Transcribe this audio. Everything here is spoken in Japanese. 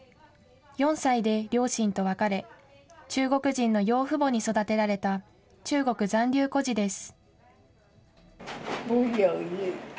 ４歳で両親と別れ、中国人の養父母に育てられた、中国残留孤児です。